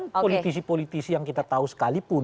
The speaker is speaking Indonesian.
tidak ada politisi politisi yang kita tahu sekalipun